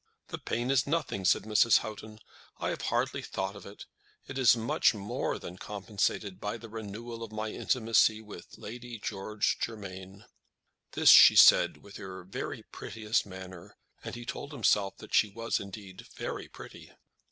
"The pain is nothing," said Mrs. Houghton. "I have hardly thought of it. It is much more than compensated by the renewal of my intimacy with Lady George Germain." This she said with her very prettiest manner, and he told himself that she was, indeed, very pretty.